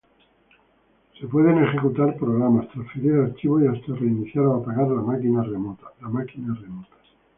Se pueden ejecutar programas, transferir archivos y hasta reiniciar o apagar la máquina remota.